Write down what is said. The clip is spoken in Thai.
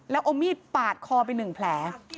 แล้วเอามีดปาดคอไป๑แผล